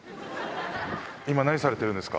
今、何されてるんですか？